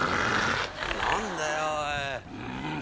何だよおい。